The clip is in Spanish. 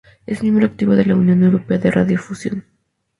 Es miembro activo de la Unión Europea de Radiodifusión.